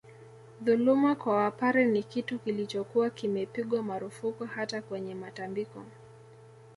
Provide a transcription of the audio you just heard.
Dhuluma kwa Wapare ni kitu kilichokuwa kimepigwa marufuku hata kwenye matambiko